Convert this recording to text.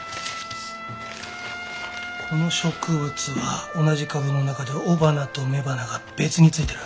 この植物は同じ株の中で雄花と雌花が別についてる。